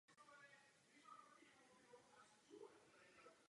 Dříve byla poskytována lidem sedmdesátiletým.